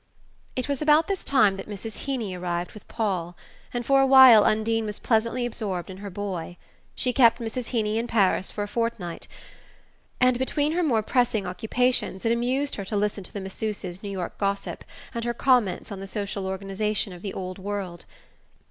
It was about this time that Mrs. Heeny arrived with Paul; and for a while Undine was pleasantly absorbed in her boy. She kept Mrs. Heeny in Paris for a fortnight, and between her more pressing occupations it amused her to listen to the masseuse's New York gossip and her comments on the social organization of the old world.